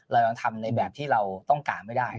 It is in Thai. เรายังทำในแบบที่เราต้องการไม่ได้